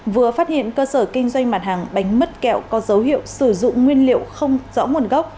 vừa phát hiện cơ sở kinh doanh mặt hàng bánh mứt kẹo có dấu hiệu sử dụng nguyên liệu không rõ nguồn gốc